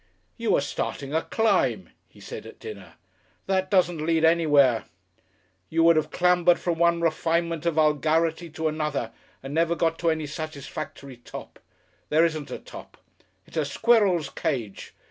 "You were starting a climb," he said at dinner, "that doesn't lead anywhere. You would have clambered from one refinement of vulgarity to another and never got to any satisfactory top. There isn't a top. It's a squirrel's cage.